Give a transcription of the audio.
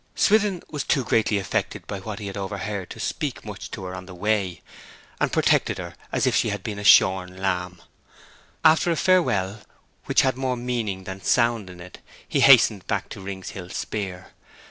Swithin was too greatly affected by what he had overheard to speak much to her on the way, and protected her as if she had been a shorn lamb. After a farewell which had more meaning than sound in it, he hastened back to Rings Hill Speer.